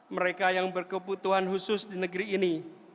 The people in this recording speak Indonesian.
mereka yang berkebutuhan khusus di negeri ini